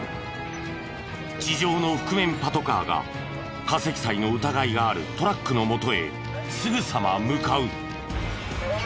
地上の覆面パトカーが過積載の疑いがあるトラックの元へすぐさま向かう。